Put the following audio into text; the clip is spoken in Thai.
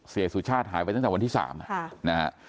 เสียสู่ชาติหายไปตั้งแต่วันที่สามอ่าฮะ